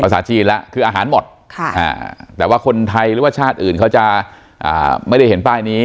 จีนแล้วคืออาหารหมดแต่ว่าคนไทยหรือว่าชาติอื่นเขาจะไม่ได้เห็นป้ายนี้